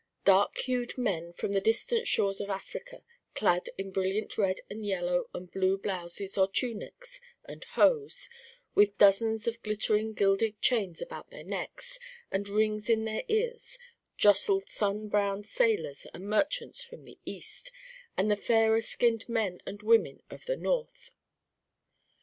Dark hued men from the distant shores of Africa, clad in brilliant red and yellow and blue blouses or tunics and hose, with dozens of glittering gilded chains about their necks, and rings in their ears, jostled sun browned sailors and merchants from the east, and the fairer skinned men and women of the north.